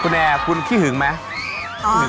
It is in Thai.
คุณแอร์คุณขี้หึงไหม